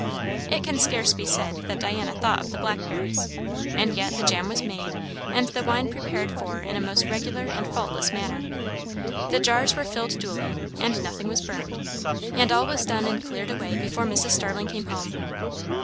It can scarce be said that Diana thought of the blackberries; and yet, the jam was made and the wine prepared for in a most regular and faultless manner; the jars were filled duly, and nothing was burned, and all was done and cleared away before Mrs. Starling came home.